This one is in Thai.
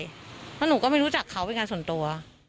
แล้วหนูก็ไม่รู้จักเขาเป็นการส่วนตัว